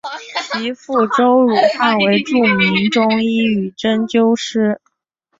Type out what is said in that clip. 其父周汝汉为著名中医与针灸师。